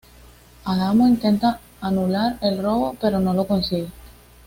Adamo intenta anular el robo, pero no lo consigue.